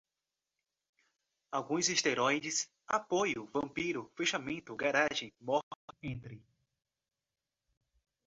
alguns, esteróides, apoio, vampiro, fechamento, garagem, morte, entre